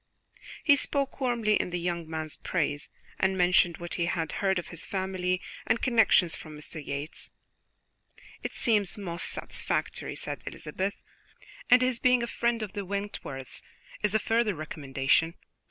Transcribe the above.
He spoke warmly in the young man's praise, and mentioned what he had heard of his family and connections from Mr. Yates. "It seems most satisfactory," said Elizabeth, "and his being a friend of the Wentworths is a further recommendation.